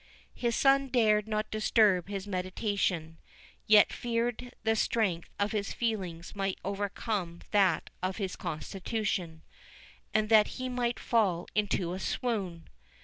His son dared not disturb his meditation, yet feared the strength of his feelings might overcome that of his constitution, and that he might fall into a swoon.